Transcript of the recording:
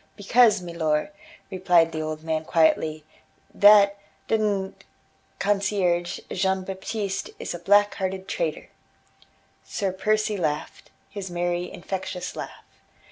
"Because, milor," replied the old man quietly, "that d d concierge, Jean Baptiste, is a black hearted traitor." Sir Percy laughed, his merry, infectious laugh.